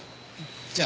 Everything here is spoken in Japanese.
じゃあ。